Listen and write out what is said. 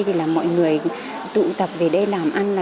thì là mọi người tụ tập về đây làm ăn